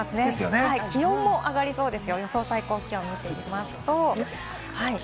気温も上がりそうです。